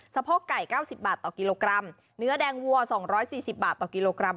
โพกไก่เก้าสิบบาทต่อกิโลกรัมเนื้อแดงวัว๒๔๐บาทต่อกิโลกรัม